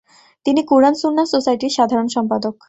তিনি কুরআন সুন্নাত সোসাইটির সাধারণ সম্পাদক।